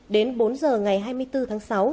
đến bốn giờ ngày hai mươi bốn tháng sáu